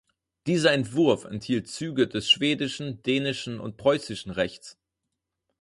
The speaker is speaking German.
Dieser Entwurf enthielt Züge des schwedischen, dänischen und preußischen Rechts.